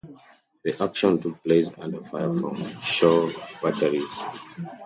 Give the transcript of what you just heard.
The action took place under fire from shore batteries.